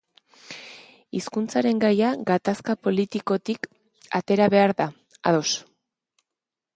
Hizkuntzaren gaia gatazka politikotik atera behar da, ados.